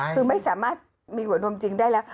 คือไม่สามารถมีหัวนมจริงได้แล้ว